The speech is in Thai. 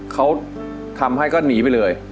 เขาทำให้ก็หนีไปเลย